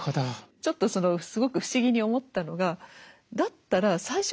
ちょっとそのすごく不思議に思ったのがだったらシンプルに。